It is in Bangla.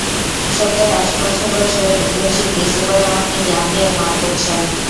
সত্তর-আশি বছর বয়সেও একজন শিল্পী সুপার রোমান্টিক গান গেয়ে মাত করছেন।